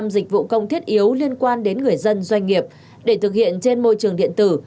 năm dịch vụ công thiết yếu liên quan đến người dân doanh nghiệp để thực hiện trên môi trường điện tử